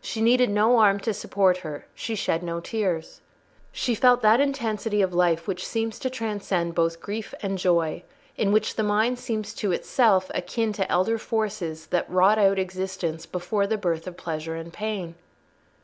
She needed no arm to support her; she shed no tears. She felt that intensity of life which seems to transcend both grief and joy—in which the mind seems to itself akin to elder forces that wrought out existence before the birth of pleasure and pain.